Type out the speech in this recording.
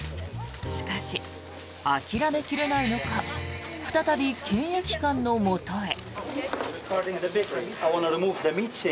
しかし、諦め切れないのか再び検疫官のもとへ。